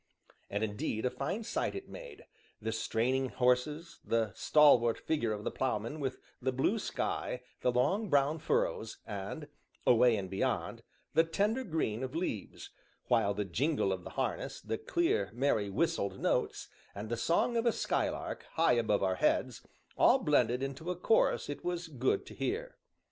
And indeed a fine sight it made, the straining horses, the stalwart figure of the Ploughman, with the blue sky, the long, brown furrows, and, away and beyond, the tender green of leaves; while the jingle of the harness, the clear, merry, whistled notes, and the song of a skylark, high above our heads, all blended into a chorus it was good to hear.